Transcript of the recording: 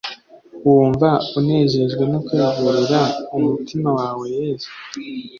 wumva unejejwe no kwegurira umutima wawe Yesu